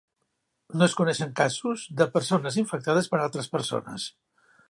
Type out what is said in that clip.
No es coneixen casos de persones infectades per altres persones.